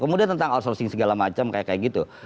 kemudian tentang outsourcing segala macam kayak kayak gitu